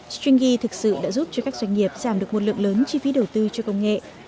stringy thực sự đã giúp cho các doanh nghiệp giảm được một lượng lớn chi phí đầu tư cho công nghệ